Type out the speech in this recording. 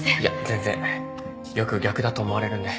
よく逆だと思われるんで。